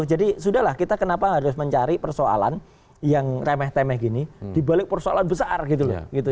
jadi sudah lah kita kenapa harus mencari persoalan yang remeh temeh gini dibalik persoalan besar gitu